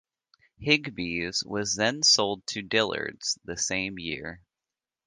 Higbee's was then sold to Dillard's the same year.